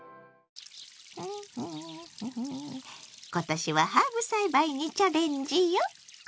今年はハーブ栽培にチャレンジよ！